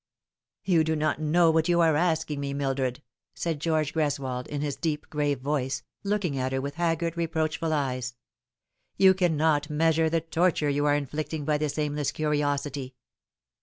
" You do not know what you are asking me, Mildred," said George Greswold, in his deep, grave voice, looking at her with haggard, reproachful eyes. " You cannot measure the torture you are inflicting by this aimless curiosity."